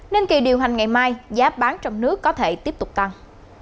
nên kỳ điều hành ngày mai giá bán trong nước có thể tiếp tục tăng